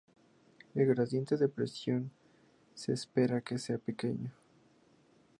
El gradiente de presión se espera que sea pequeño.